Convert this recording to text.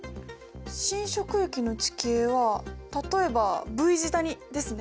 侵食域の地形は例えばＶ字谷ですね。